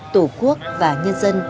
tổ quốc và nhân dân